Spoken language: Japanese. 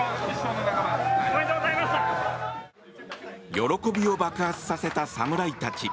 喜びを爆発させた侍たち。